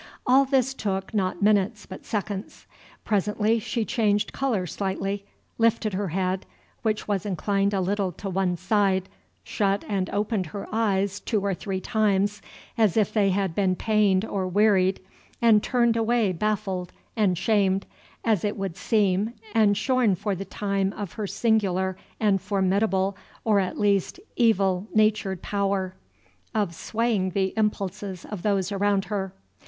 All this took not minutes, but seconds. Presently she changed color slightly, lifted her head, which was inclined a little to one side, shut and opened her eyes two or three times, as if they had been pained or wearied, and turned away baffled, and shamed, as it would seem, and shorn for the time of her singular and formidable or at least evil natured power of swaying the impulses of those around her.